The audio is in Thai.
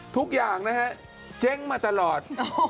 ทุกอย่างนะฮะเจ๊งมาตลอด